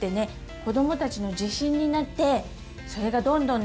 子どもたちの自信になってそれがどんどんね